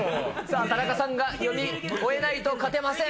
田中さんが読み終えないと勝てません。